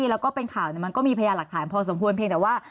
แล้วก็เป็นข่าวมันก็มีพยานหลักฐานพอสมควรเพียงแต่ว่า